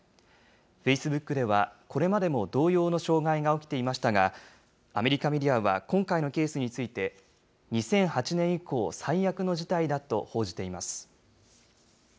フェイスブックではこれまでも同様の障害が起きていましたが、アメリカメディアは今回のケースについて、２００８年以降最悪の事態だと報じています。